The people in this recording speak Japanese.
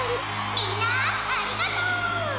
「みんなありがとう！」。